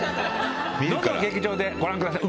どうぞ劇場でご覧ください。